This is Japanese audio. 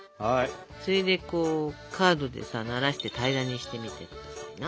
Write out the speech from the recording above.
それでカードでさならして平らにしてみてくださいな。